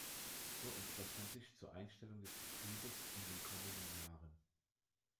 So entschloss man sich zur Einstellung des Betriebes in den kommenden Jahren.